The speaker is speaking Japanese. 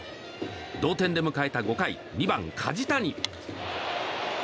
同点で迎えた５回２番、梶谷。